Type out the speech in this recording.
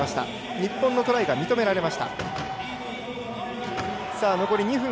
日本のトライが認められました。